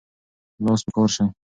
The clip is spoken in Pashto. لاس په کار شئ.